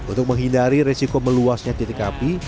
untuk menghindari resiko meluasnya titik api